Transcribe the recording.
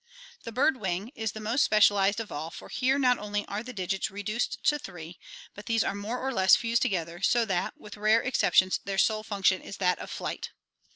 The bird wing (see Fig. io,E) is the most specialized of all, for here not only are the digits reduced to three, but these are more or less fused together so that, with rare exceptions, their sole function is that of flight.